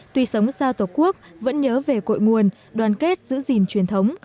tuy sống xa tổ quốc vẫn nhớ về cội nguồn đoàn kết giữ gìn truyền thống